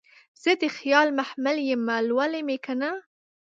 زه دخیال محمل یمه لولی مې کنه